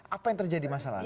apa yang terjadi masalahnya